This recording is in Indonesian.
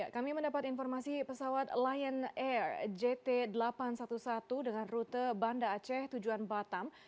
kami mendapat informasi pesawat lion air jt delapan ratus sebelas dengan rute banda aceh tujuan batam